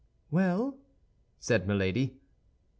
"Well?" said Milady.